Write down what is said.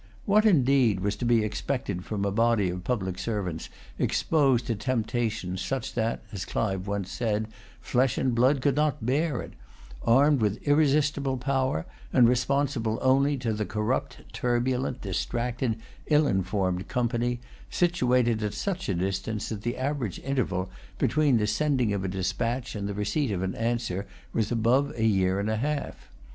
What, indeed, was to be expected from a body of public servants exposed to temptation such that, as Clive once said, flesh and blood could not bear it, armed with irresistible power, and responsible only to the corrupt, turbulent, distracted, ill informed Company, situated at such a distance that the average interval between the sending of a despatch and the receipt of an answer was above a year and a half?